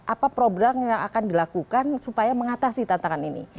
apa program yang akan dilakukan supaya mengatasi tantangan ini